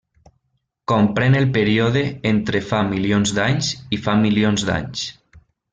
Comprèn el període entre fa milions d'anys i fa milions d'anys.